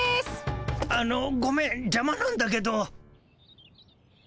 あのごめんじゃまなんだけど。